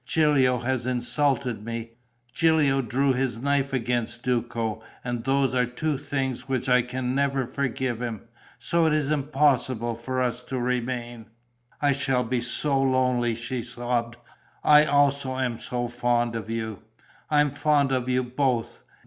Gilio has insulted me, Gilio drew his knife against Duco; and those are two things which I can never forgive him. So it is impossible for us to remain." "I shall be so lonely!" she sobbed. "I also am so fond of you, I am fond of you both.